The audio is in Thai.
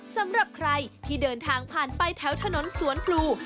สำหรับใครที่เดินทางผ่านไปแถวถนนสวนพลู